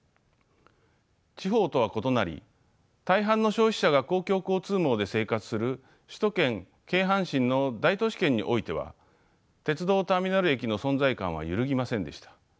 地方とは異なり大半の消費者が公共交通網で生活する首都圏京阪神の大都市圏においては鉄道ターミナル駅の存在感は揺るぎませんでした。